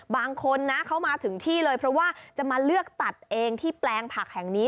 บางคนนะเข้ามาถึงที่เลยเพราะว่าจะมาเลือกตัดเองที่แปลงผักแห่งนี้